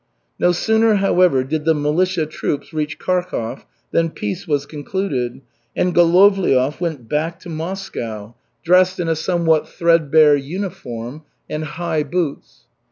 No sooner, however, did the militia troops reach Kharkov than peace was concluded, and Golovliov went back to Moscow, dressed in a somewhat threadbare uniform and high boots.